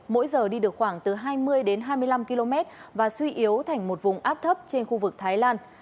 mỗi giờ đi được khoảng từ hai mươi đến hai mươi năm km và suy yếu thành một vùng áp thấp trên khu vực thái lan